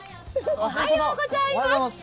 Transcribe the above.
おはようございます。